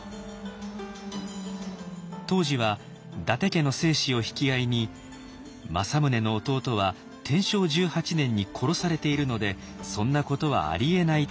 当時は伊達家の正史を引き合いに「政宗の弟は天正１８年に殺されているのでそんなことはありえない」と返答。